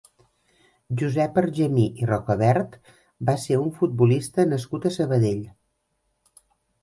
Josep Argemí i Rocabert va ser un futbolista nascut a Sabadell.